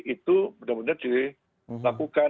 itu benar benar dilakukan